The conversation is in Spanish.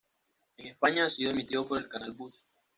En España ha sido emitido por el canal Buzz.